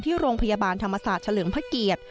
โรงพยาบาลธรรมศาสตร์เฉลิมพระเกียรติ